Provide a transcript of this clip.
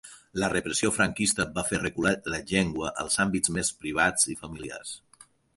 La repressió franquista va fer recular la llengua als àmbits més privats i familiars.